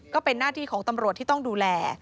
ก็เป็นหน้าที่ของตำรวจที่ต้องดูแล